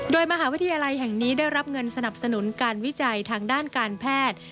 โดยมหาวิทยาลัยแห่งนี้ได้รับเงินสนับสนุนการวิจัยทางด้านการแพทย์